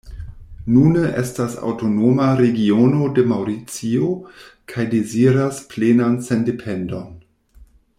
Nune estas aŭtonoma regiono de Maŭricio, kaj deziras plenan sendependon.